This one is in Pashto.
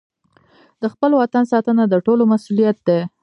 د خپل وطن ساتنه د ټولو مسوولیت دی.